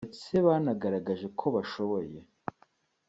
ndetse banagaragaje ko bashoboye